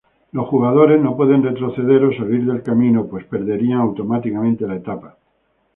Los jugadores no pueden retroceder o salir del camino pues perderán automáticamente la etapa.